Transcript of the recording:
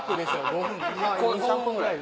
５分２３分ぐらい。